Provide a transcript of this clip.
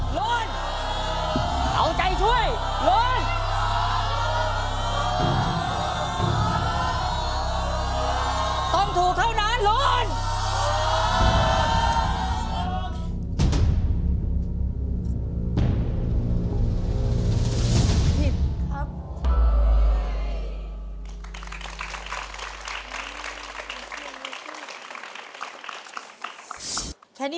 หลวงหลวงหลวงหลวงหลวงหลวงหลวง